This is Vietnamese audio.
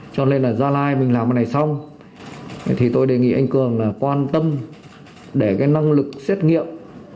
cho nên là gia lai mình làm bằng này xong thì tôi đề nghị anh cường là quan tâm để cái năng lực xét nghiệm và truy vết là rất quan trọng